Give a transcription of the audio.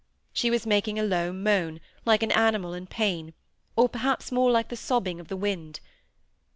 She was making a low moan, like an animal in pain, or perhaps more like the sobbing of the wind.